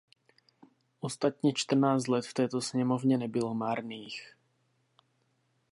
Ostatně čtrnáct let v této sněmovně nebylo marných.